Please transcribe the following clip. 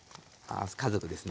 家族ですね。